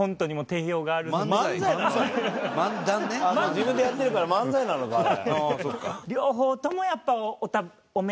自分でやってるから漫才なのかあれ。